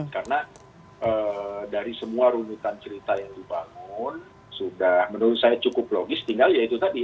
karena dari semua runutan cerita yang dibangun sudah menurut saya cukup logis tinggal ya itu tadi